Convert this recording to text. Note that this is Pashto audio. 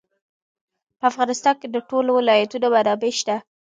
په افغانستان کې د ټولو ولایتونو منابع شته.